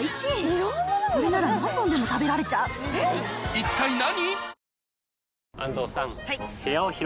一体何？